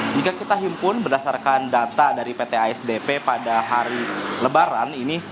jika kita himpun berdasarkan data dari pt asdp pada hari lebaran ini